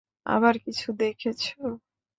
আবার কিছু দেখেছ?